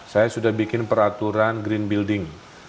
saya sudah bikin peraturan green building